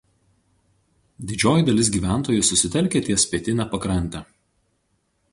Didžioji dalis gyventojų susitelkę ties pietine pakrante.